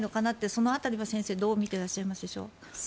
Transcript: その辺りは、先生どう見てらっしゃいますか。